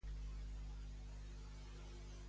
Què va haver de fer al final la monarca amb Nithard?